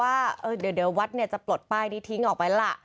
ว่าเดี๋ยววัดเนี่ยจะปลดป้ายนี้ทิ้งออกไปล่ะ